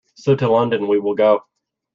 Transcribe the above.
So to London we will go.